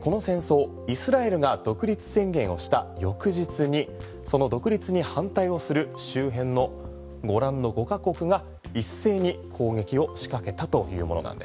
この戦争、イスラエルが独立宣言をした翌日にその独立に反対をする周辺のご覧の５か国が一斉に攻撃を仕掛けたというものなんです。